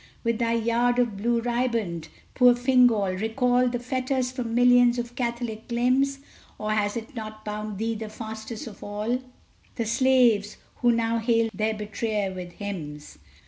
Will thy yard of blue riband, poor Fingal, recall The fetters from millions of Catholic limbs? Or has it not bound thee the fastest of all The slaves, who now hail their betrayer with hymns?